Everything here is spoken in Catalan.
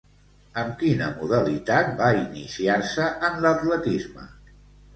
Amb quina modalitat va iniciar-se en l'atletisme?